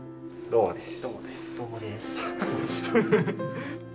どうもです。